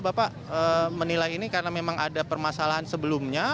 bapak menilai ini karena memang ada permasalahan sebelumnya